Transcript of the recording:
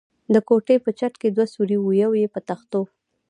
د کوټې په چت کې دوه سوري و، یو یې په تختو.